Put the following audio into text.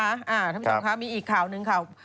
อ่าท่านผู้ชมครับมีอีกข่าวหนึ่งครับ